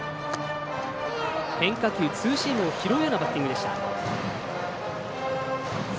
変化球、ツーシームを拾うようなバッティングでした。